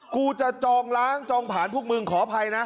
กูจะจองล้างจองผ่านพวกมึงขออภัยนะ